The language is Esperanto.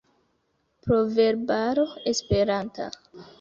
Proverbaro esperanta.